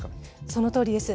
そのとおりです。